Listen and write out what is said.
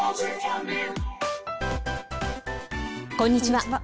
こんにちは。